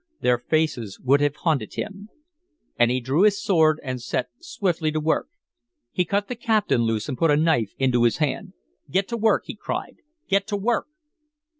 Their faces would have haunted him. And he drew his sword and set swiftly to work. He cut the captain loose and put a knife into his hand. "Get to work!" he cried. "Get to work!"